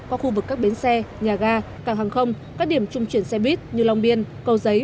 qua khu vực các bến xe nhà ga cảng hàng không các điểm trung chuyển xe buýt như long biên cầu giấy